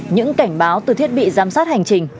những cảnh báo từ thiết bị giám sát hành trình